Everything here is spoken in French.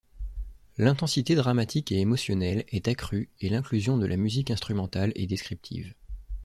L'intensité dramatique et émotionnelle est accrue et l'inclusion de la musique instrumentale et descriptive.